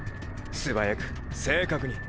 素早く正確に。